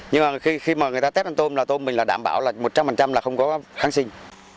nhưng mà khi mà người ta tép ăn tôm là tôm mình là đảm bảo là một trăm linh là không có kháng sinh